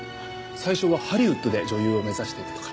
最初はハリウッドで女優を目指していたとか？